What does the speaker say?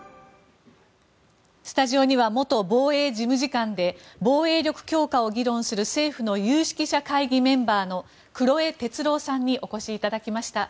スタジオには元防衛事務次官で防衛力強化を議論する政府の有識者会議メンバーの黒江哲郎さんにお越しいただきました。